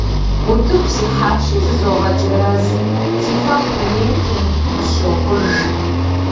Утыку сихьащи, зызогъэджэрэз, си фэгъу дунейм темыту къысщохъуж.